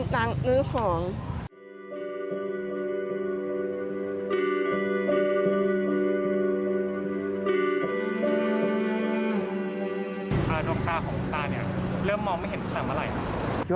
น้ำเบียบ